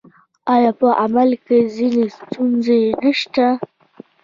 آیا په عمل کې ځینې ستونزې نشته؟